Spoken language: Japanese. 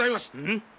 うん？